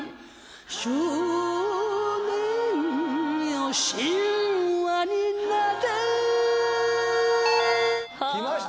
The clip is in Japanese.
「少年よ神話になれ」きました。